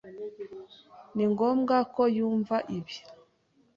Ni ngombwa ko yumva ibi.